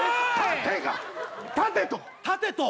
縦と？